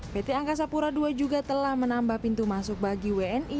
pt angkasa pura ii juga telah menambah pintu masuk bagi wni